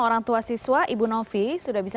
orang tua siswa ibu novi sudah bisa